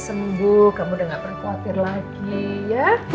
sembuh kamu udah gak perlu khawatir lagi ya